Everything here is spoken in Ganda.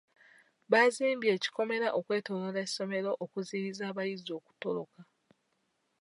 Bazimbye ekikomera okwetooloola essomero okuziyiza abayizi okutoloka.